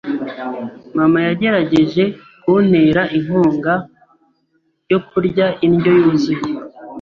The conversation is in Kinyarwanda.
Mama yagerageje kuntera inkunga yo kurya indyo yuzuye.